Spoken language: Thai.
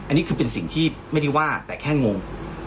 อันนี้คือเป็นสิ่งที่ไม่ได้ว่าแต่แค่งง